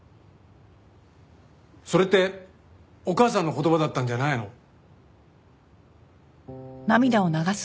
それってお母さんの言葉だったんじゃないの？